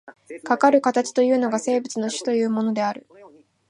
かかる形というのが、生物の種というものである。